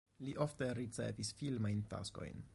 Li ofte ricevis filmajn taskojn.